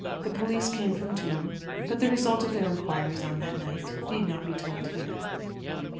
The police came from Tuam, but the result of their enquiries on that night need not be told here.